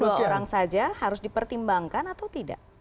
dua orang saja harus dipertimbangkan atau tidak